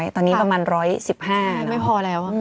ตอนนี้ประมาณร้อยสิบห้าแล้ว